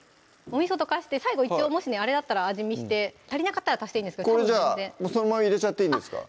おみそ溶かして最後一応もしあれだったら味見して足りなかったら足していいそのまま入れていいんですか？